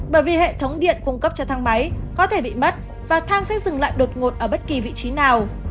bởi vì hệ thống điện cung cấp cho thang máy có thể bị mất và thang sẽ dừng lại đột ngột ở bất kỳ vị trí nào